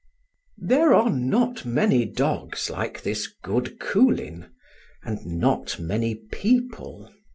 There are not many dogs like this good Coolin. and not many people.